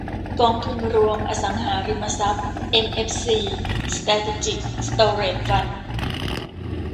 กองทุนรวมอสังหาริมทรัพย์เอ็มเอฟซี-สแตรทิจิกสโตเรจฟันด์